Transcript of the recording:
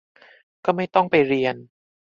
ก็ไม่ต้องไปเรียน